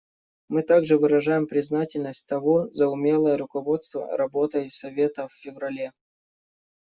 Мы также выражаем признательность Того за умелое руководство работой Совета в феврале.